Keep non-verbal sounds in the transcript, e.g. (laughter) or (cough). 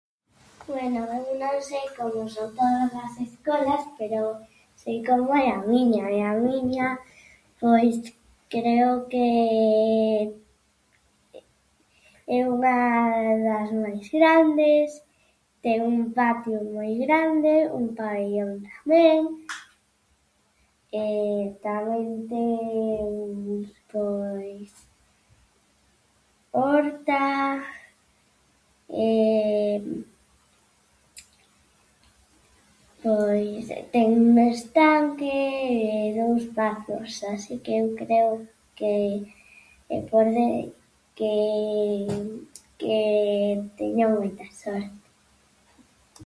Bueno, eu son sei como son todas as escolas, pero sei como é a miña e a miña, pois creo que (hesitation) é unha das máis grandes, ten un patio moi grande, un pabellón ben e tamén ten, pois horta e, pois ten un estanque e dous patos así que eu creo que e por den- que que teño moita sorte.